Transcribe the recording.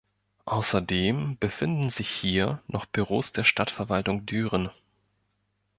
Außerdem befinden sich hier noch Büros der Stadtverwaltung Düren.